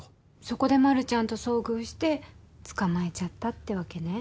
それで丸ちゃんと遭遇して捕まえちゃったってわけね。